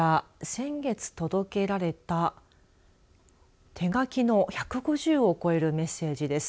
先月、届けられた手書きの１５０を超えるメッセージです。